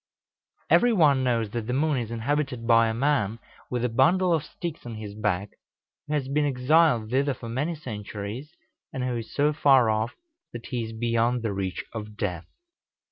] Every one knows that the moon is inhabited by a man with a bundle of sticks on his back, who has been exiled thither for many centuries, and who is so far off that he is beyond the reach of death.